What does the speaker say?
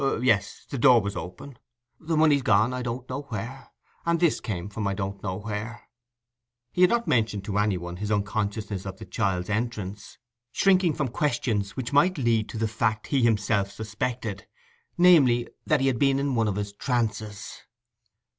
"Yes—the door was open. The money's gone I don't know where, and this is come from I don't know where." He had not mentioned to any one his unconsciousness of the child's entrance, shrinking from questions which might lead to the fact he himself suspected—namely, that he had been in one of his trances.